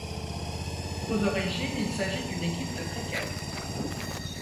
Aux origines, il s’agit d’une équipe de Cricket.